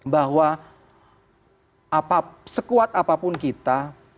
bahwa sekuat apapun kita